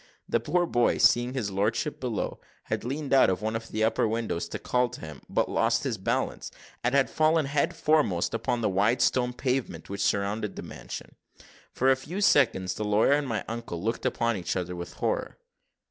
The poor boy, seeing his lordship below, had leaned out of one of the upper windows to call to him, but lost his balance, and had fallen head foremost upon the wide stone pavement which surrounded the mansion. For a few seconds, the lawyer and my uncle looked upon each other with horror.